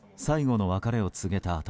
最後の別れを告げた